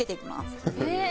へえ。